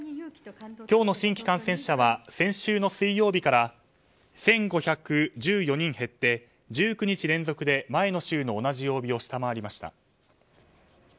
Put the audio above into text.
今日の新規感染者は先週の水曜日から１５１４人減って１９日連続で前の週の同じ曜日を下回りました。